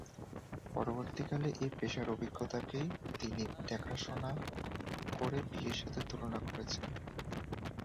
পরবর্তীকালে এই পেশার অভিজ্ঞতাকে তিনি দেখাশোনা করে বিয়ের সাথে তুলনা করেছেন।